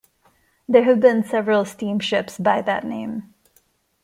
There have been several steamships by that name.